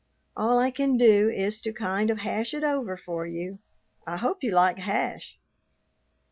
All I can do is to kind of hash it over for you. I hope you like hash.